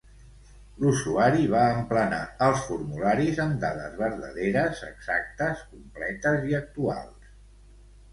L'usuari va emplenar els formularis amb dades verdaderes, exactes, completes i actuals.